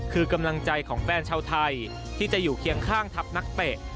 คือกำลังใจของแฟนชาวไทยที่จะอยู่เคียงข้างทัพนักเตะ